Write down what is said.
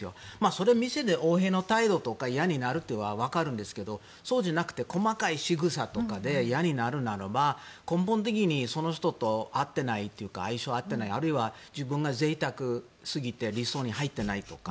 それは店で横柄な態度とか嫌になるのは分かるんですけどそうじゃなくて細かいしぐさで嫌になるならば根本的にその人と相性が合っていないあるいは自分が贅沢すぎて理想に入っていないとか。